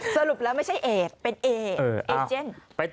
สรุปแล้วไม่ใช่เอดเป็นเอเอเจน